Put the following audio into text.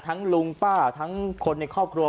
ลุงป้าทั้งคนในครอบครัว